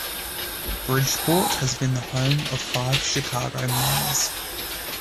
Bridgeport has been the home of five Chicago mayors.